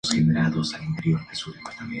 Tiene una hija llamada Emma.